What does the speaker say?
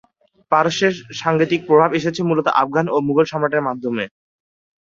পারস্যের সাঙ্গীতিক প্রভাব এসেছে মূলতঃ আফগান ও মুঘল সম্রাটদের মাধ্যমে।